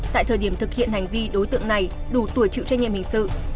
tại thời điểm thực hiện hành vi đối tượng này đủ tuổi chịu trách nhiệm hình sự